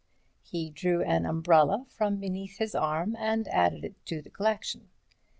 He drew an umbrella from beneath his arm and added it to the collection.